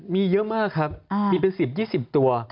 มีเยอะมากครับมีเป็น๑๐๒๐ตัว